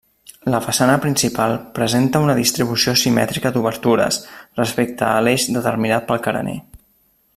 La façana principal presenta una distribució simètrica d'obertures respecte a l'eix determinat pel carener.